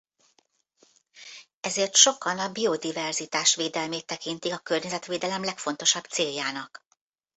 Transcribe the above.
Ezért sokan a biodiverzitás védelmét tekintik a környezetvédelem legfontosabb céljának.